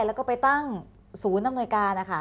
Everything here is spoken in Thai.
แล้วก็ไปตั้งศูนย์อำนวยการนะคะ